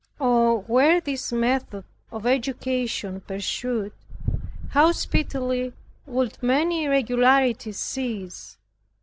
Oh, were this method of education pursued, how speedily would many irregularities cease!